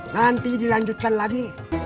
nanti dilanjutkan lagi